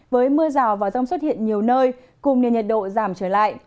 với mưa rào và rông xuất hiện nhiều nơi cùng nền nhiệt độ giảm trở lại